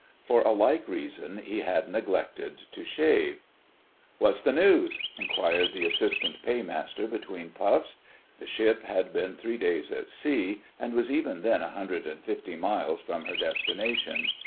For a like reason he had neglected to shave. "What's the news?" inquired the Assistant Paymaster between puffs. The ship had been three days at sea, and was even then a hundred and fifty miles from her destination.